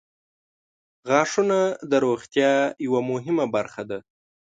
• غاښونه د روغتیا یوه مهمه برخه ده.